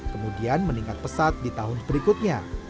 kemudian meningkat pesat di tahun berikutnya